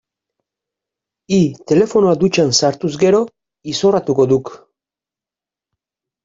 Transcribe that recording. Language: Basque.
Hi, telefonoa dutxan sartuz gero, izorratuko duk.